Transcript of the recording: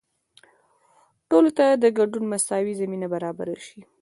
ټولو ته د ګډون مساوي زمینه برابره شي.